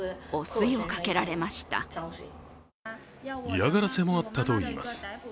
嫌がらせもあったといいます。